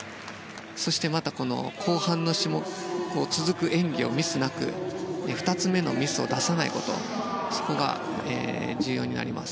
そしてまた後半の種目に続く演技をミスなく２つ目のミスを出さないことそこが重要になります。